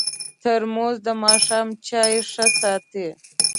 ترموز د ماښام چای ښه ساتي.